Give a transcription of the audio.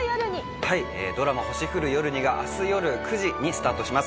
ドラマ『星降る夜に』が明日よる９時にスタートします。